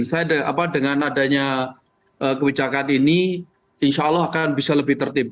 saya dengan adanya kebijakan ini insya allah akan bisa lebih tertib